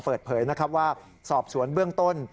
เปิดเผยนะครับว่าสอบสวนเบื้องต้น